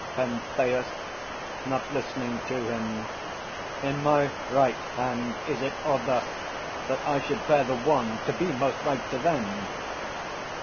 PENTHEUS (not listening to him). In my right hand Is it, or thus, that I should bear the wand, To be most like to them?